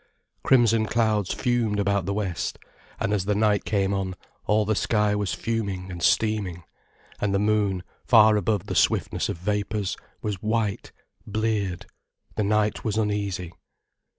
Crimson clouds fumed about the west, and as night came on, all the sky was fuming and steaming, and the moon, far above the swiftness of vapours, was white, bleared, the night was uneasy.